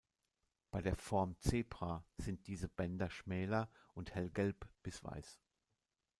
Bei der Form „Zebra“ sind diese Bänder schmäler und hellgelb bis weiß.